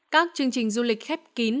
các chương trình du lịch khép kín